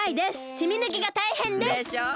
しみぬきがたいへんです！でしょう？